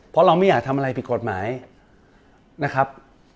เพราะเราไม่อยากทำอะไรผิดกฎหมายนะครับ